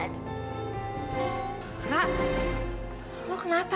terima kasih pak